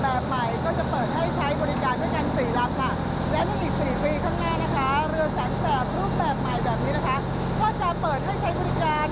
ก็จะเปิดให้ใช้บริการด้วยกัน๔รับค่ะ